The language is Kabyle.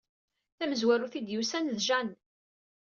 Tamezwarut ay d-yusan d Jane.